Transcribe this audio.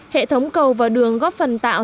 hệ thống cầu và đường góp phần tạo